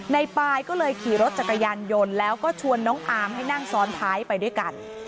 ปายก็เลยขี่รถจักรยานยนต์แล้วก็ชวนน้องอาร์มให้นั่งซ้อนท้ายไปด้วยกัน